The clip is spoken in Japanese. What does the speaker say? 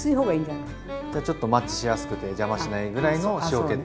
じゃちょっとマッチしやすくて邪魔しないぐらいの塩気って。